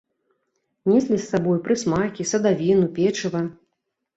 Неслі з сабою прысмакі, садавіну, печыва.